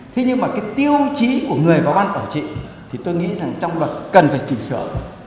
thế nhưng mà cái tiêu chí của người vào ban quản trị thì tôi nghĩ rằng trong luật cần phải chỉnh sửa